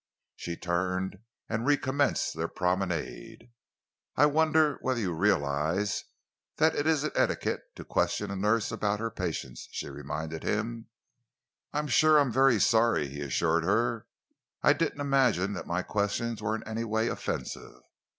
She turned and recommenced their promenade. "I wonder whether you realise that it isn't etiquette to question a nurse about her patient," she reminded him. "I'm sure I am very sorry," he assured her. "I didn't imagine that my questions were in any way offensive.